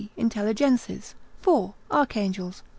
Intelligences, 4. Arch Angels, 5.